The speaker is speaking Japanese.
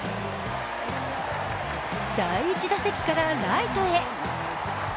第１打席からライトへ。